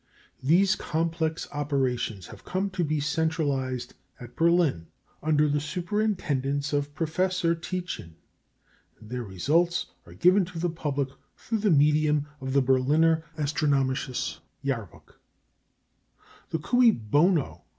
These complex operations have come to be centralised at Berlin under the superintendence of Professor Tietjen, and their results are given to the public through the medium of the Berliner Astronomisches Jahrbuch. The _cui bono?